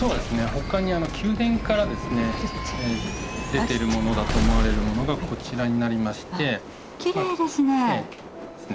他に宮殿からですね出てるものだと思われるものがこちらになりましてきれいですね